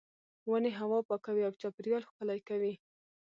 ونې هوا پاکوي او چاپیریال ښکلی کوي.